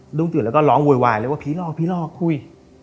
ดุ้งตื่นแล้วก็ร้องโวยวายเลยว่าผีรอผีรอคุย